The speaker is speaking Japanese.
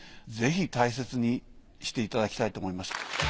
ぜひ大切にしていただきたいと思います。